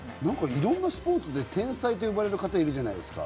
いろんなスポーツで天才と呼ばれる方いるじゃないですか。